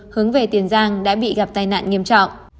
hướng về tiền giang đã bị gặp tai nạn nghiêm trọng